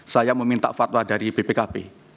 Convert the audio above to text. saya meminta fatwa dari bpkp